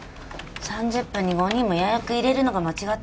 ３０分に５人も予約入れるのが間違ってます。